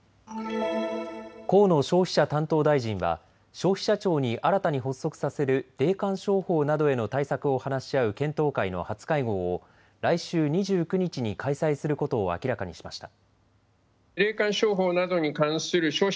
河野消費者担当大臣は消費者庁に新たに発足させる霊感商法などへの対策を話し合う検討会の初会合を来週２９日に開催することを明らかにしました。